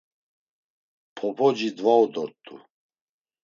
Popoci dvau dort̆u.